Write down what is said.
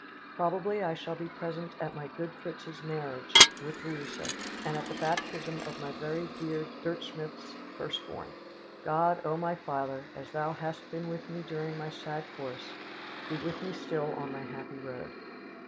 Probably I shall be present at my good Fritz's marriage with Louisa, and at the baptism of my very dear Durchmith's first born. God, O my Father, as Thou hast been with me during my sad course, be with me still on my happy road."